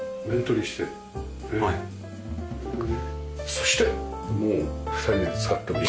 そしてもう２人で使ってもいいし。